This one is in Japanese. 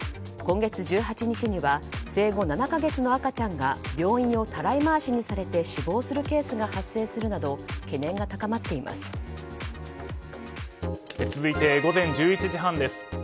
今月１８日には生後７か月の赤ちゃんが病院をたらい回しにされて死亡するケースが発生するなど続いて、午前１１時半です。